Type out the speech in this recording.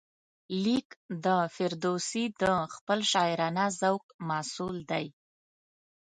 لیک د فردوسي د خپل شاعرانه ذوق محصول دی.